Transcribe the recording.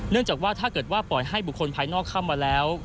จากว่าถ้าเกิดว่าปล่อยให้บุคคลภายนอกเข้ามาแล้ว